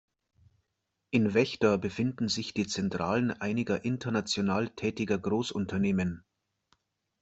In Vechta befinden sich die Zentralen einiger international tätiger Großunternehmen.